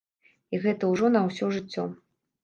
І гэта ўжо на ўсё жыццё.